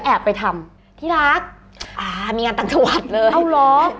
เอาหรอ